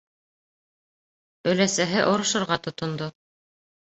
Өләсәһе орошорға тотондо.